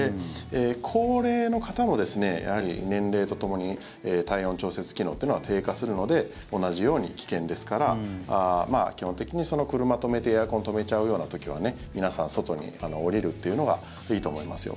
高齢の方も、やはり年齢とともに体温調節機能っていうのは低下するので同じように危険ですから基本的に、車止めてエアコン止めちゃうような時は皆さん、外に降りるっていうのがいいと思いますよ。